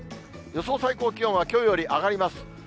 予想最高気温はきょうより上がります。